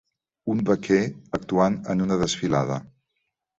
Un vaquer actuant en una desfilada.